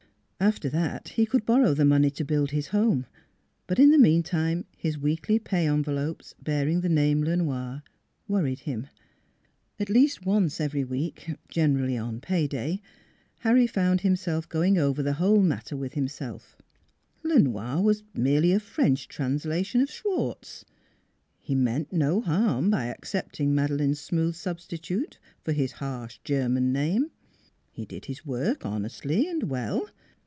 After that he could borrow the money to build his home. But in the meantime his weekly pay envelopes, bearing the name Le Noir, worried him. At least once every week generally on pay day Harry found himself going over the whole matter with him self: Le Noir was merely a French translation of Schwartz; he meant no harm by accepting Madeleine's smooth substitute for his harsh German name. He did his work honestly and well.